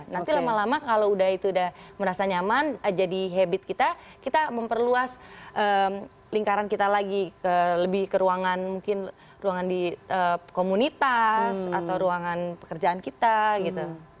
nanti lama lama kalau udah itu udah merasa nyaman jadi habit kita kita memperluas lingkaran kita lagi lebih ke ruangan mungkin ruangan di komunitas atau ruangan pekerjaan kita gitu